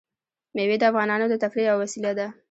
مېوې د افغانانو د تفریح یوه وسیله ده.